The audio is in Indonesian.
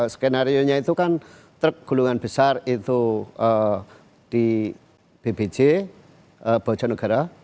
skenarionya itu kan truk gulungan besar itu di bbc bocanegara